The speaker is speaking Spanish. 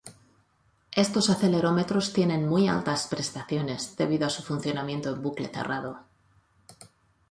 Estos acelerómetros tienen muy altas prestaciones debido a su funcionamiento en bucle cerrado.